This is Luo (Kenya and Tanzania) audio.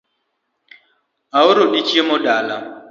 Aoro chiemo dala